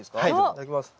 いただきます。